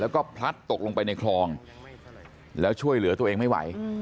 แล้วก็พลัดตกลงไปในคลองแล้วช่วยเหลือตัวเองไม่ไหว